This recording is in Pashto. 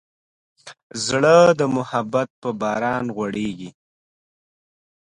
زړه د محبت په باران غوړېږي.